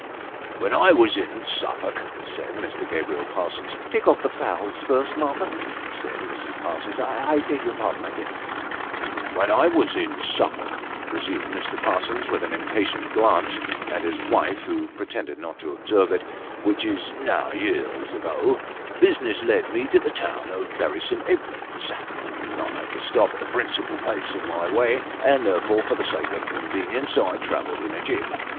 " When I was in Suffolk," said Mr. Gabriel Parsons "Take off the fowls first, Martha," said Mrs. Parsons. "I beg your pardon, my dear." 348 Sketches by Bos. " When I was in Suffolk," resumed Mr. Parsons, with an impatient glance at his wife, who pretended not to observe it, " which is now some years ago, business led me to the town of Bury St. Edmund's. I had to stop at the principal places in my way, and therefore, for the sake of convenience, I travelled in a gig.